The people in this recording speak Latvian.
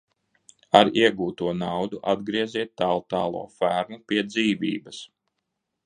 Ar iegūto naudu atgrieziet Tāltālo Fermu pie dzīvības!